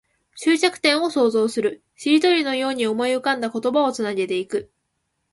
終着点を想像する。しりとりのように思い浮かんだ言葉をつなげていく。